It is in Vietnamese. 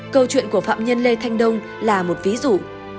câu chuyện của phạm nhân lê thanh đông là một ví dụ